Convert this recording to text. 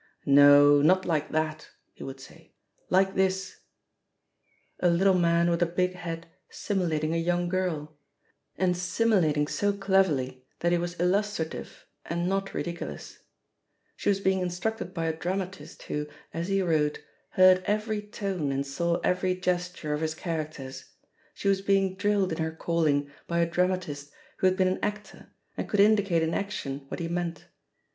"No, not like that," he would say; "like this I'* A little man with a big head simulating a young girl — and simulating so cleverly that he was il lustrative and not ridiculous I She was being in structed by a dramatist who, as he wrote, heard every tone and saw every gesture of his charac ters; she was being drilled in her calling by a dramatist who had been an actor and could in dicate in action what he meant.